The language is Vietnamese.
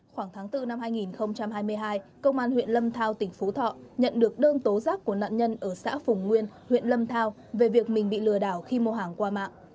khoảng tháng bốn năm hai nghìn hai mươi hai công an huyện lâm thao tỉnh phú thọ nhận được đơn tố giác của nạn nhân ở xã phùng nguyên huyện lâm thao về việc mình bị lừa đảo khi mua hàng qua mạng